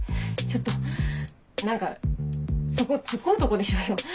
ちょっと何かそこツッコむとこでしょうよ。